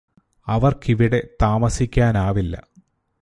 അവര്ക്കിവിടെ താമസിക്കാനാവില്ല